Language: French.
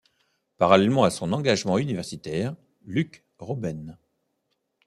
Parallèlement à son engagement universitaire, Luc Robène.